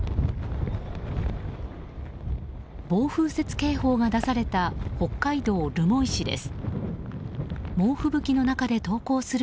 暴風雪警報が出された北海道留萌市です。